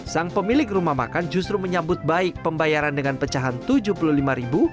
sang pemilik rumah makan justru menyambut baik pembayaran dengan pecahan rp tujuh puluh lima